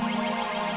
jagain keisha bang